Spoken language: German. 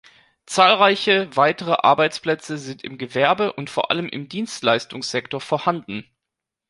Zahlreiche weitere Arbeitsplätze sind im Gewerbe und vor allem im Dienstleistungssektor vorhanden.